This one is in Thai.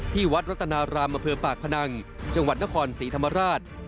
ที่วัดณฑรามมาเพวปากพนังจังหวัดนครศรีธรรมาราช